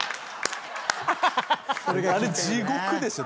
あれ地獄でしたよ。